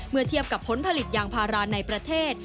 เทียบกับผลผลิตยางพาราในประเทศ